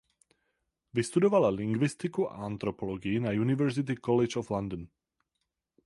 Vystudovala lingvistiku a antropologii na University College of London.